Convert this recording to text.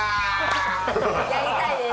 やりたいです